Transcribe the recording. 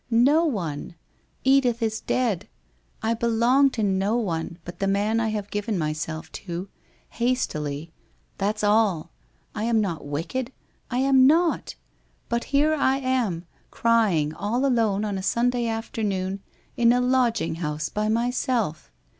No one. Edith is dead. I belong to no one, but the man I have given myself to. Hastily. That's all. I am not wicked. I am not! But here I am, crying, all alone on a Sunday afternoon, in a lodging house by myself!